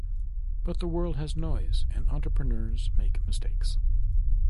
But the world has noise and entrepreneurs make mistakes.